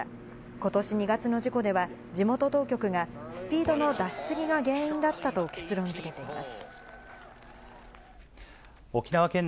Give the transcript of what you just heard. ことし２月の事故では、地元当局がスピードの出し過ぎが原因だったと結論づけています。